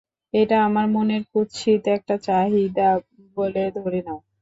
এটা আমার মনের কুৎসিত একটা চাহিদা বলে ধরে নাও।